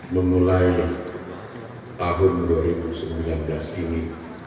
memulai tahun dua ribu sembilan belas ini